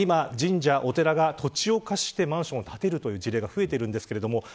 今、神社、お寺が土地を貸してマンションを建てるという事例が増えています。